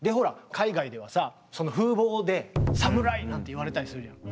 海外ではさその風貌でサムライなんて言われたりするじゃない。